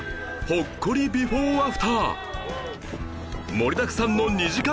盛りだくさんの２時間